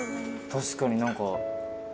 確かに何か。